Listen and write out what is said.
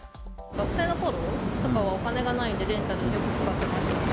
学生のころとかはお金がないんで、レンタル、よく使ってました。